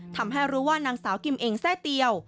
ทำให้รู้ว่านางสาวกิมเองแทร่เตียว